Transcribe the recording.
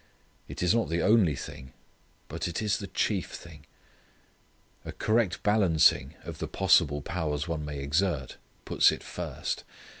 It is not the only thing. But it is the chief thing. A correct balancing of the possible powers one may exert puts it first.